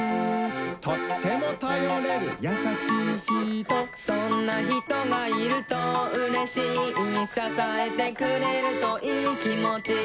「とってもたよれるやさしいひと」「そんなひとがいるとうれしい」「ささえてくれるといいきもち」